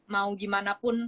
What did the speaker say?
mau gimana pun